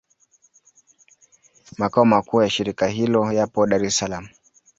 Makao makuu ya shirika hilo yapo Dar es Salaam.